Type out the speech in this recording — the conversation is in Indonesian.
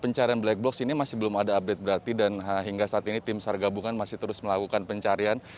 pencarian black box ini masih belum ada update berarti dan hingga saat ini tim sargabungan masih terus melakukan pencarian